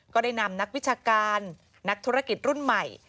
ก็ได้นำนักวิชาการนักธุรกิจรุ่นใหม่